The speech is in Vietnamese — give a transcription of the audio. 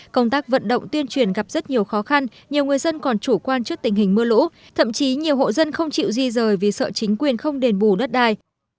công tác vận động tuyên truyền gặp rất nhiều khó khăn nhiều người dân còn chủ quan trước tình hình mưa lũ thậm chí nhiều hộ dân không chịu di rời vì sợ chính quyền không đền bù đất đai